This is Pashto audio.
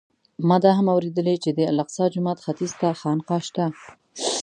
ما دا هم اورېدلي چې د الاقصی جومات ختیځ ته خانقاه شته.